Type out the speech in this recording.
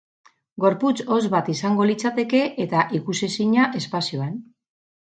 Gorputz hotz bat izango litzateke, eta ikusezina espazioan.